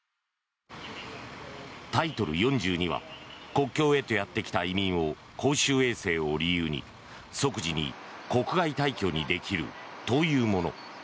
タイトル４２は国境へとやってきた移民を公衆衛生を理由に、即時に国外退去にできるというもの。